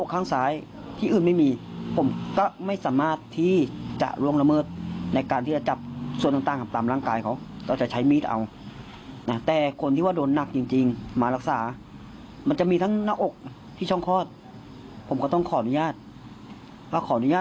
เขาจะบอกว่ายังไงเดี๋ยวลองฟังดูนะคะ